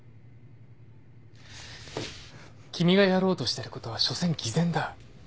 君がやろうとしてることはしょせん偽善だ。